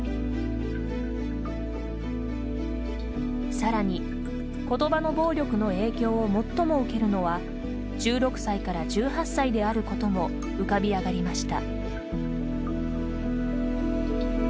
さらに、言葉の暴力の影響を最も受けるのは１６歳から１８歳であることも浮かび上がりました。